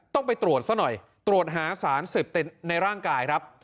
ต้องไปตรวจซะหน่อยตรวจหาสารเสพติดในร่างกายครับ